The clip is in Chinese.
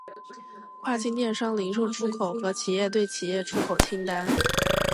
跨境电商零售出口和企业对企业出口清单